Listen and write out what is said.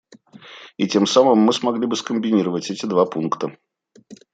И тем самым мы смогли бы скомбинировать эти два пункта.